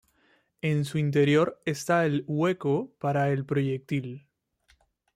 En su interior está el hueco para el proyectil.